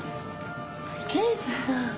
刑事さん。